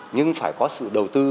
nhưng phải có sự đầu tư